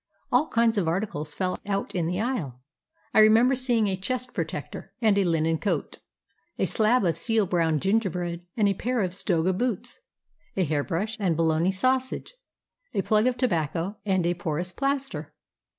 All kinds of articles fell out in the aisle. I remember seeing a chest protector and a linen coat, a slab of seal brown gingerbread and a pair of stoga boots, a hairbrush and a bologna sausage, a plug of tobacco and a porous plaster.